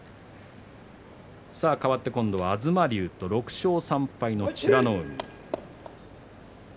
かわって東龍と６勝３敗の美ノ海です。